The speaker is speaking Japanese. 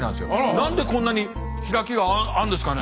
何でこんなに開きがあんですかね？